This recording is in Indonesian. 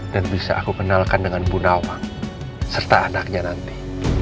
dan bisa aku kenalkan dengan bu nawang serta anaknya nanti